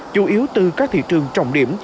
chủ yếu từ các thị trường trọng điểm